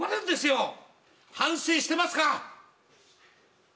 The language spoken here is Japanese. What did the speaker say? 反省してますか？